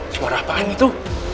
suara apaan itu